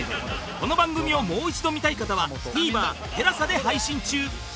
この番組をもう一度見たい方は ＴＶｅｒＴＥＬＡＳＡ で配信中